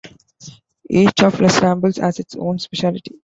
Each of "Les Rambles" has its own specialty.